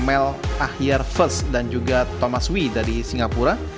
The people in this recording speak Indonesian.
mel ahyar ferd dan juga thomas wee dari singapura